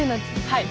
はい。